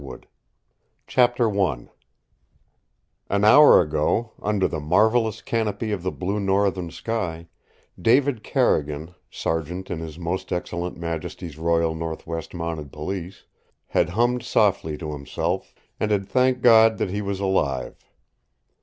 THE FLAMING FOREST I An hour ago, under the marvelous canopy of the blue northern sky, David Carrigan, Sergeant in His Most Excellent Majesty's Royal Northwest Mounted Police, had hummed softly to himself, and had thanked God that he was alive.